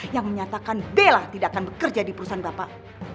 yang menyatakan bella tidak akan bekerja di perusahaan bapak